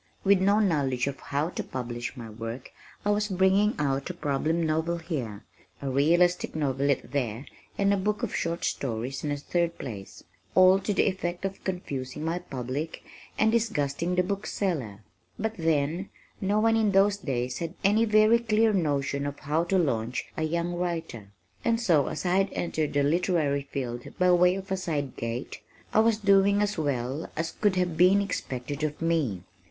With no knowledge of how to publish my work I was bringing out a problem novel here, a realistic novelette there and a book of short stories in a third place, all to the effect of confusing my public and disgusting the book seller. But then, no one in those days had any very clear notion of how to launch a young writer, and so (as I had entered the literary field by way of a side gate) I was doing as well as could have been expected of me.